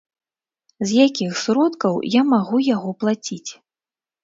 З якіх сродкаў я магу яго плаціць?